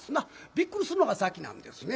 びっくりするのが先なんですね。